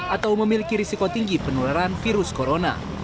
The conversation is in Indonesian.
atau memiliki risiko tinggi penularan virus corona